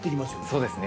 そうですね。